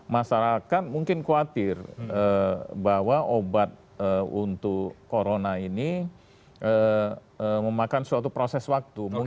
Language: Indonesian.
masyarakat mungkin khawatir bahwa obat untuk corona ini memakan suatu proses waktu